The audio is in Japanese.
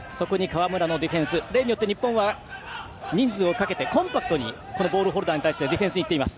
例によって日本は人数をかけてコンパクトにボールホルダーに対してディフェンスにいっています。